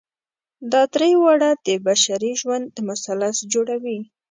دا درې واړه د بشري ژوند مثلث جوړوي.